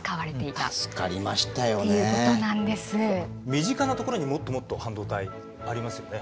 身近なところにもっともっと半導体ありますよね。